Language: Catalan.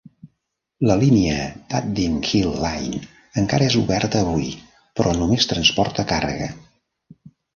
La línia Dudding Hill Line encara és oberta avui, però només transporta càrrega.